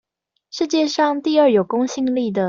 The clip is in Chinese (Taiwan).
世界上第二有公信力的